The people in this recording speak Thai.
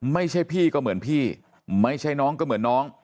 ไม่ใช่พี่ก็เหมือนพี่ไม่ใช่น้องก็เหมือนน้อง